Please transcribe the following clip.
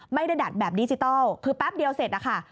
ดัดแบบดิจิทัลคือแป๊บเดียวเสร็จนะคะ